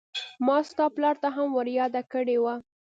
ما ستا پلار ته هم ور ياده کړې وه.